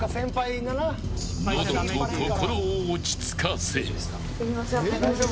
喉と心を落ち着かせ。